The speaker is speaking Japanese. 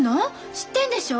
知ってんでしょ？